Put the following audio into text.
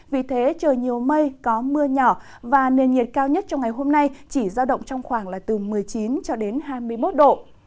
vì thế trời nhiều mây có mưa nhỏ và nền nhiệt cao nhất trong ngày hôm nay chỉ giao động trong khoảng là từ một mươi chín cho đến hai mươi một độ